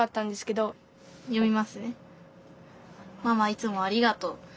「ママいつもありがとう。